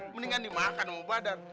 mendingan dimakan sama badar